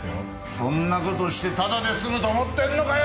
そんな事してただで済むと思ってるのかよ！